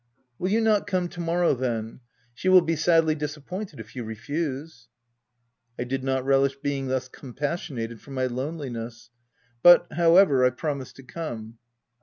" Will you not come to morrow, then? She will be sadly disappointed if you refuse." I did not relish being thus compassionated for my loneliness ; but however, I promised to come.